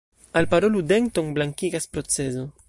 Alparolu denton blankigas procezo.